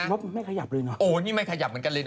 รถมันไม่ขยับเลยนะโอ้นี่ไม่ขยับเหมือนกันเลยนะ